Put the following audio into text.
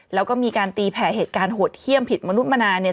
แล้วก็มีการตีแผ่เหตุการณ์โหดเยี่ยมผิดมนุษย์มานานเนี่ย